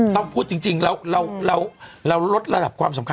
พูดจริงเราลดระดับความสำคัญ